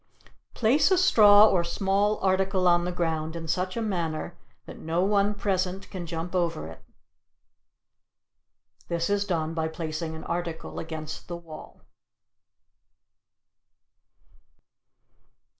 Place a Straw or Small Article on the Ground in Such a Manner that No one Present can Jump Over It. This is done by placing the article against the wall.